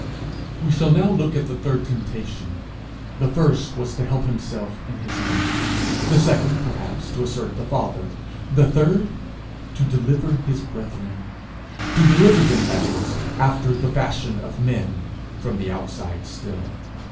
We shall now look at the third temptation. The first was to help himself in his need; the second, perhaps, to assert the Father; the third to deliver his brethren. To deliver them, that is, after the fashion of men from the outside still.